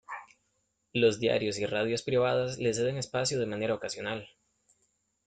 Los diarios y radios privadas le ceden espacio de manera ocasional.